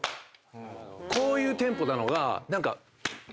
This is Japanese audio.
こういうテンポなのが何か。